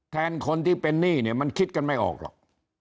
แทนคนที่เป็นหนี้เนี่ยมันคิดกันไม่ออกหรอก